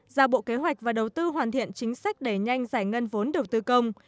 giao bộ kế hoạch và đầu tư hoàn thiện chính sách đề nhanh giải ngân vốn đầu tư công